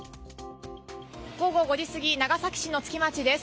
午後５時すぎ長崎市の築町です。